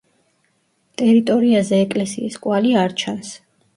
ტერიტორიაზე ეკლესიის კვალი არ ჩანს.